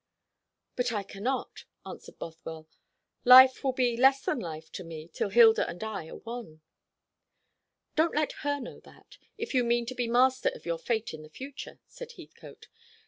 "But I cannot," answered Bothwell. "Life will be less than life to me till Hilda and I are one." "Don't let her know that, if you mean to be master of your fate in the future," said Heathcote.